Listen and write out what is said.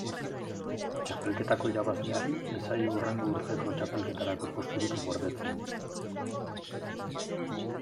Txapelketako irabazleari ez zaio hurrengo urteko txapelketarako posturik gordetzen.